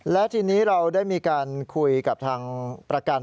และทีนี้เราได้มีการคุยกับทางประกัน